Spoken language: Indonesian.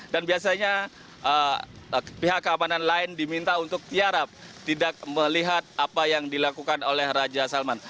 dan biasanya pihak keamanan lain diminta untuk tiarap tidak melihat apa yang dilakukan oleh raja salman